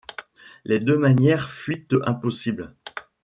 Des deux manières, fuite impossible.